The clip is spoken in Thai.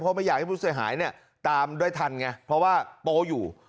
เพราะไม่อยากให้ผู้เสียหายเนี่ยตามด้วยทันไงเพราะว่าโป๊อยู่